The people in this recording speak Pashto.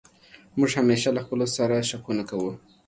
موږ همېشه له خپلو سر شکونه کوو.